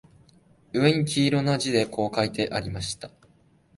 上に黄色な字でこう書いてありました